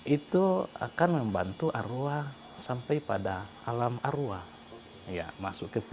itu akan membantu arwa sampai pada alam arwah